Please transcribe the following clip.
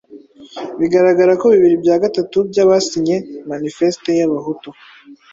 Biragaragara ko bibiri bya gatatu by'abasinye "Manifeste y'Abahutu"